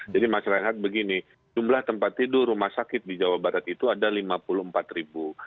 jadi masyarakat begini jumlah tempat tidur rumah sakit di jawa barat itu ada lima puluh empat ribu